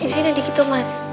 sekejap aja dikit toh mas